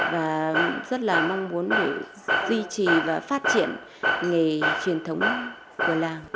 và rất là mong muốn để duy trì và phát triển nghề truyền thống của làng